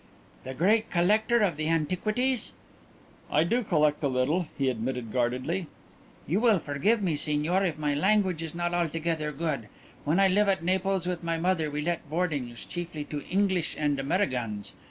"The great collector of the antiquities?" "I do collect a little," he admitted guardedly. "You will forgive me, Signor, if my language is not altogether good. When I live at Naples with my mother we let boardings, chiefly to Inglish and Amerigans.